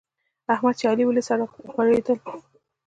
احمد چې علي وليد؛ سره غوړېدل.